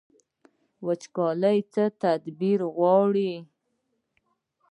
وچکالي څه تدبیر غواړي؟